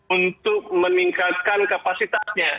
untuk meningkatkan kapasitasnya